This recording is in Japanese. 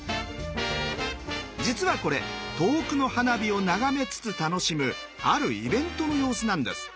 実はこれ遠くの花火を眺めつつ楽しむあるイベントの様子なんです。